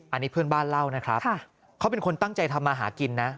อันนี้เพื่อนบ้านเล่านะครับเขาเป็นคนตั้งใจทำมาหากินนะ